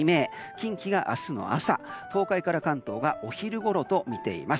近畿が明日の朝東海から関東がお昼ごろとみています。